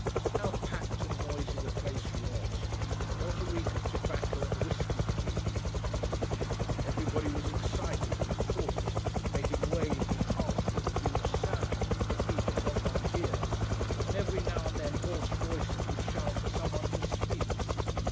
How packed and noisy the place was, and what a reek of tobacco and whisky fumes we made! Everybody was excited and talking, making waves of harsh confused sound that beat upon one's ears, and every now and then hoarse voices would shout for someone to speak.